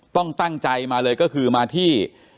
ต้องตั้งใจมาเลยก็คือมาที่